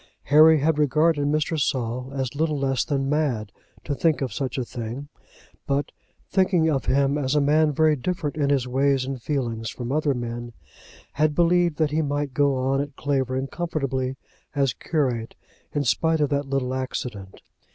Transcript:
Harry had regarded Mr. Saul as little less than mad to think of such a thing, but, thinking of him as a man very different in his ways and feelings from other men, had believed that he might go on at Clavering comfortably as curate in spite of that little accident.